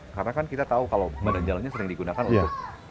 karena kan kita tahu kalau badan jalannya sering digunakan untuk